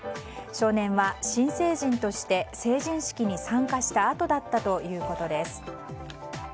少年は、新成人として成人式に参加したあとだったということです。